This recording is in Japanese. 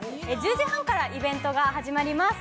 １０時半からイベントが始まります。